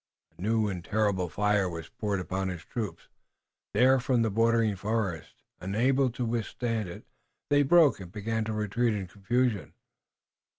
A new and terrible fire was poured upon his troops there from the bordering forest, and, unable to withstand it, they broke and began to retreat in confusion.